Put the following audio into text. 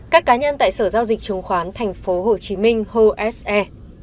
các cá nhân tại sở giao dịch chứng khoán tp hcm hồ s e